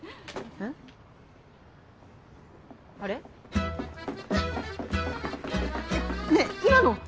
えっねえ今の！